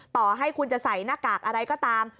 ต่อให้คุณจะใส่หน้ากากอะไรก็ตาม